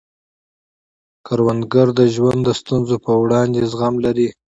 کروندګر د ژوند د ستونزو پر وړاندې زغم لري